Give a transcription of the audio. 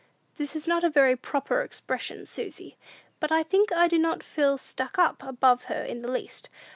"That is not a very proper expression, Susy; but I think I do not feel stuck up above her in the least.